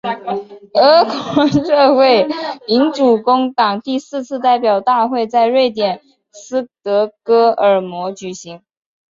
俄国社会民主工党第四次代表大会在瑞典斯德哥尔摩举行。